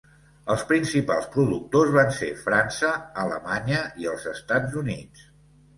Els principals productors van ser França, Alemanya i els Estats Units.